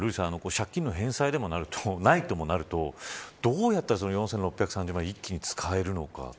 借金の返済でもないとなるとどうやったら４６３０万円を一気に使えるのか。